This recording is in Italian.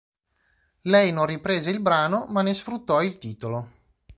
Lei non riprese il brano ma ne sfruttò il titolo.